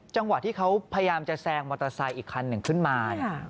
จังหวะที่เขาพยายามจะแซงมอเตอร์ไซค์อีกคันหนึ่งขึ้นมา